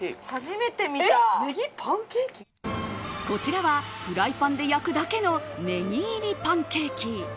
こちらはフライパンで焼くだけのネギ入りパンケーキ。